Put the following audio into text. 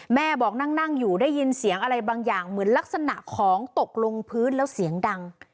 แม่บอกนั่งอยู่ได้ยินเสียงอะไรบางอย่างเหมือนลักษณะของตกลงพื้นแล้วเสียงดัง